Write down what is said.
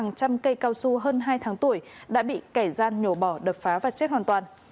hàng trăm cây cao su hơn hai tháng tuổi đã bị kẻ gian nhổ bỏ đập phá và chết hoàn toàn